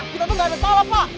kita tuh gak ada salah pak